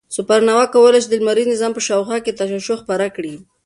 سوپرنووا کولای شي د لمریز نظام په شاوخوا کې تشعشع خپره کړي.